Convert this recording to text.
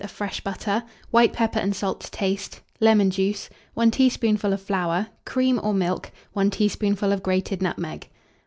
of fresh butter, white pepper and salt to taste, lemon juice, 1 teaspoonful of flour, cream or milk, 1 teaspoonful of grated nutmeg.